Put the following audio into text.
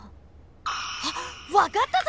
あっわかったぞ！